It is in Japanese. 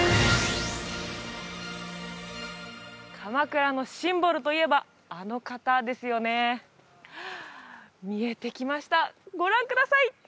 鎌倉のシンボルといえばあの方ですよね見えてきましたご覧ください！